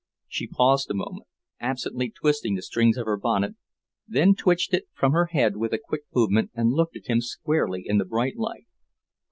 She paused a moment, absently twisting the strings of her bonnet, then twitched it from her head with a quick movement and looked at him squarely in the bright light.